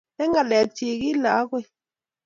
Eng ngalechik, kile akoi